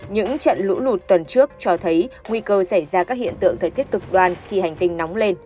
những trận lũ lụt tuần trước cho thấy nguy cơ xảy ra các hiện tượng thời tiết cực đoan khi hành tinh nóng lên